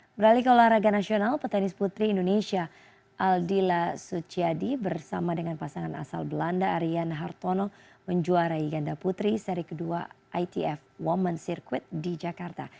beralih ke olahraga nasional petanis putri indonesia aldila suchiadi bersama dengan pasangan asal belanda ariyan hartono menjuara igan da putri seri kedua itf women's circuit di jakarta